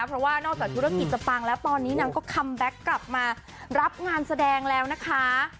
เพราะว่านอกจากธุรกิจจะปังแล้วตอนนี้นางก็คัมแบ็คกลับมารับงานแสดงแล้วนะคะ